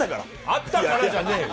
あったからじゃねえよ。